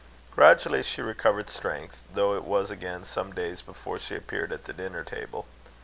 Gradually she recovered strength, though it was again some days before she appeared at the dinner table.